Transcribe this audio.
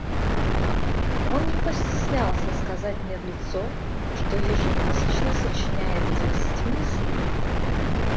Он не постеснялся сказать мне в лицо, что ежемесячно сочиняет десять мыслей.